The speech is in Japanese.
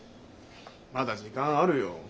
まだ時間あるよ。